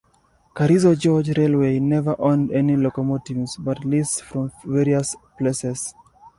Carrizo Gorge Railway never owned any locomotives, but leased from various places.